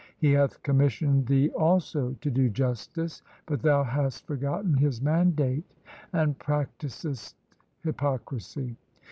He hath commissioned thee also to do justice, but thou hast forgotten His mandate and practisest hypocrisy.